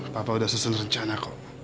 papa udah susun rencana kok